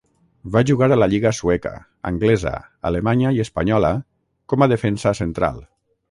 Va jugar a la lliga sueca, anglesa, alemanya i espanyola com a defensa central.